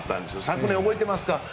昨年、覚えていますか？